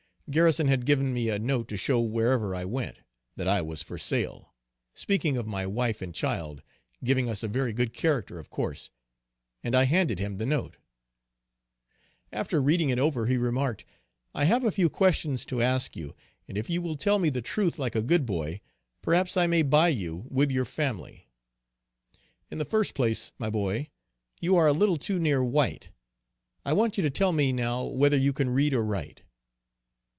Garrison had given me a note to show wherever I went, that I was for sale, speaking of my wife and child, giving us a very good character of course and I handed him the note. After reading it over he remarked, "I have a few questions to ask you, and if you will tell me the truth like a good boy, perhaps I may buy you with your family. In the first place, my boy, you are a little too near white. I want you to tell me now whether you can read or write?"